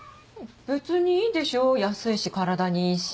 別にいいでしょ安いし体にいいし。